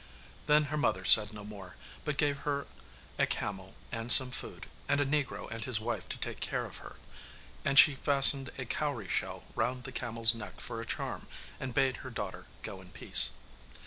Then her mother said no more, but gave her a camel and some food, and a negro and his wife to take care of her, and she fastened a cowrie shell round the camel's neck for a charm, and bade her daughter go in peace.